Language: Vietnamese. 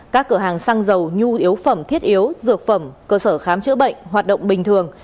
các cửa hàng xăng dầu nhu yếu phẩm thiết yếu dược phẩm cơ sở khám chữa bệnh hoạt động bình thường